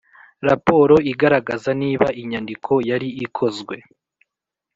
Raporo igaragaza niba inyandiko yari ikozwe